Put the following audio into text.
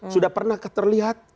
sudah pernahkah terlihat